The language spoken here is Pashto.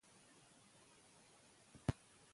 د پښتو متن باید په ږغ واړول شي.